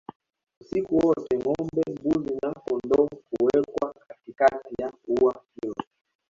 Usiku wote ngombe mbuzi na kondoo huwekwa katikati ya ua hilo